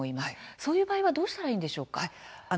そういう人はどうしたらいいでしょうか。